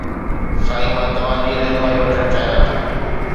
سائين، مان توهان جي رهنمائي وٺڻ چاهيان ٿو